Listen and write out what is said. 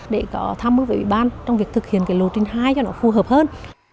để có tham mức với ủy ban trong việc thực hiện lô trình hai cho nó phù hợp hơn